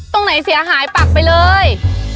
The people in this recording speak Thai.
ตรงไหนเสียหายปักไปเลย